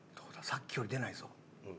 さっきより出ないぞ。